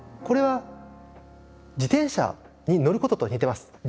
これは自転車に乗ることと似てます。